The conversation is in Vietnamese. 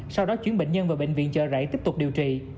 sau đó chuyển bệnh nhân vào bệnh viện chờ rảy tiếp tục điều trị